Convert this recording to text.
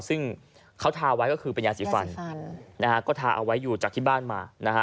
ซึ่งเขาทาไว้ก็คือเป็นยาสีฟันนะฮะก็ทาเอาไว้อยู่จากที่บ้านมานะฮะ